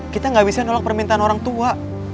kita gak bisa nolak permintaan orang tua